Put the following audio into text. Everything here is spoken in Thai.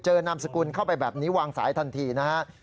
นามสกุลเข้าไปแบบนี้วางสายทันทีนะฮะ